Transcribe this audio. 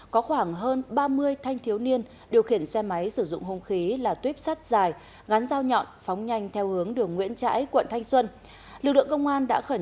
có khoảng hơn ba mươi thanh thiếu niên điều khiển xe máy sử dụng hông khí là tuyếp sắt dài gắn dao nhọn phóng nhanh theo hướng đường nguyễn trãi quận thanh xuân